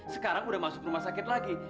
sekarang udah masuk rumah sakit lagi